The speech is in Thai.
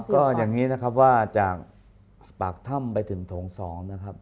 ก็อย่างนี้นะครับว่าจากปากถ้ำไปถึงโถง๒นะครับ